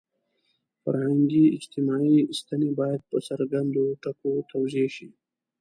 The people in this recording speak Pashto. فرهنګي – اجتماعي ستنې باید په څرګندو ټکو توضیح شي.